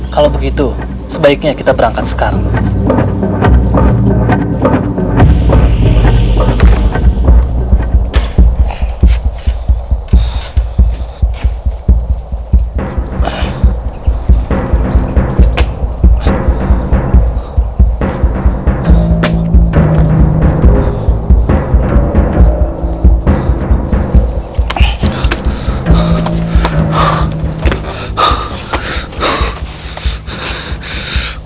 kalau begitu sebaiknya kita berangkat sekarang